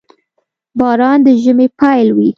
• باران د ژمي پيل وي.